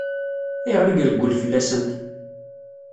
Ayɣer i ireggel fell-asent?